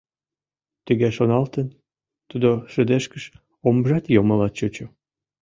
Тыге шоналтен, тудо шыдешкыш, омыжат йоммыла чучо.